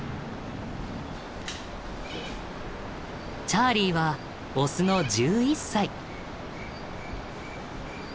チャーリーはオスの１１歳。